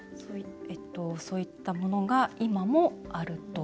そういったものが今もあると。